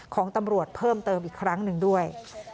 ของตำรวจเพิ่มเติมอีกครั้งหนึ่งด้วย